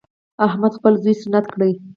احمد خپل زوی سنت کړ.